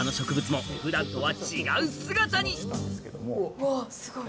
うわっすごい。